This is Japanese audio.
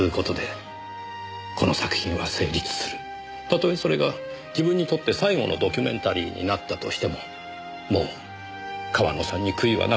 たとえそれが自分にとって最後のドキュメンタリーになったとしてももう川野さんに悔いはなかった。